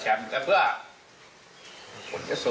เตรียมป้องกันแชมป์ที่ไทยรัฐไฟล์นี้โดยเฉพาะ